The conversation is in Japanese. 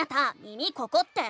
「耳ここ⁉」って。